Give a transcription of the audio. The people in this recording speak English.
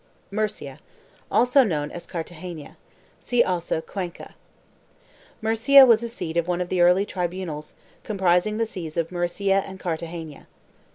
2 MURCIA, also known as CARTAGENA. See also CUENCA. Murcia was a seat of one of the early tribunals, comprising the sees of Murcia and Cartagena.